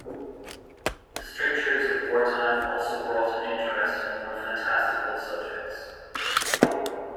The strictures of wartime also brought an interest in more fantastical subjects.